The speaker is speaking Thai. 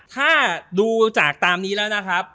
ถ้าดูจากตามนี้แล้วนะครับ